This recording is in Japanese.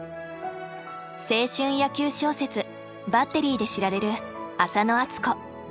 青春野球小説「バッテリー」で知られるあさのあつこ。